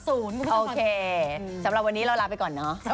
โอเคสำหรับวันนี้เราลาไปก่อนเนอะ